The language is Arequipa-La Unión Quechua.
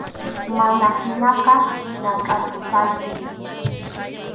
Mana hinaqa, nakʼarqusaykim.